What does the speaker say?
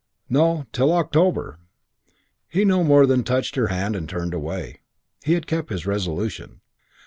"No, till October." He no more than touched her hand and turned away. He had kept his resolution.